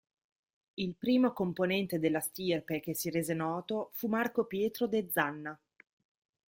Il primo componente della stirpe che si rese noto fu Marco Pietro de Zanna.